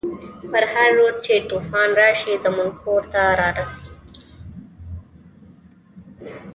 په هر رود چی توفان راشی، زمونږ کور ته راسیخیږی